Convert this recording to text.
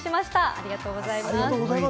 ありがとうございます。